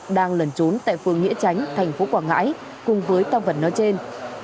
đang lẩn trốn tại phương nghĩa tránh thành phố quảng ngãi cùng với tâm vật nó trên